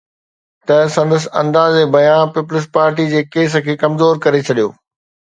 ته سندس انداز بيان پيپلز پارٽي جي ڪيس کي ڪمزور ڪري ڇڏيو